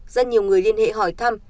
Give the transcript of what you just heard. rất nhiều người liên hệ hỏi thăm